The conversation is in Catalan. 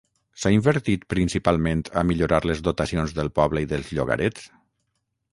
S'ha invertit principalment a millorar les dotacions del poble i dels llogarets.